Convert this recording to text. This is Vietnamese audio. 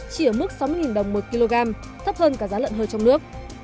chỉ ở mức sáu mươi đồng một kg thấp hơn cả giá lợn hơi trong nước